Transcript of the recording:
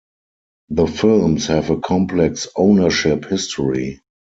The films have a complex ownership history.